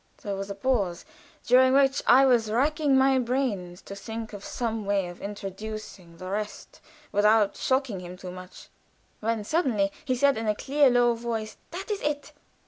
There was a pause, during which I was racking my brains to think of some way of introducing the rest without shocking him too much, when suddenly he said, in a clear, low voice: "That is it.